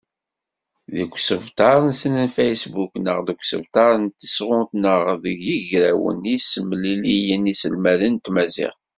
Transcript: Deg usebter-nsen n facebook neɣ deg usebter n tesɣunt neɣ deg yigrawen i d-yessemliliyen iselmaden n tmaziɣt.